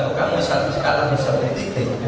jangan besar besarnya besar besarnya